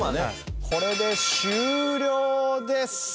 これで終了です。